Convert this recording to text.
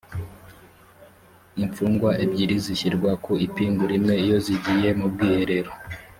imfungwa ebyiri zishyirwa ku ipingu rimwe iyo zigiye mu bwiherero